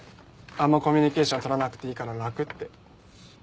あんまコミュニケーションとらなくていいから楽って。